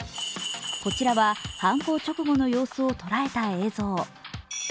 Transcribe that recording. こちらは犯行直後の様子を捉えた映像。